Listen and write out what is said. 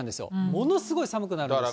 ものすごい寒くなるんですよ。